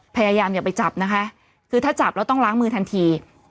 อย่าไปจับนะคะคือถ้าจับแล้วต้องล้างมือทันที